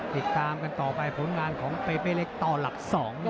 ติดตามกันต่อไปผลงานของเปเปเล็กต่อหลักสองนะครับ